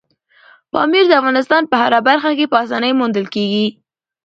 پامیر د افغانستان په هره برخه کې په اسانۍ موندل کېږي.